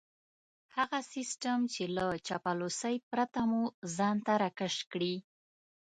هغه سيستم چې له چاپلوسۍ پرته مو ځان ته راکش کړي.